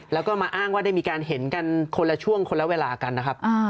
แล้วก็มาอ้างว่าได้มีการเห็นกันคนละช่วงคนละเวลากันนะครับ